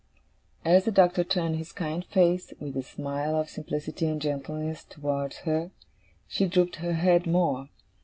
As the Doctor turned his kind face, with its smile of simplicity and gentleness, towards her, she drooped her head more.